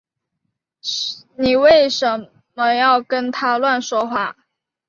妳为什呢要跟他乱说话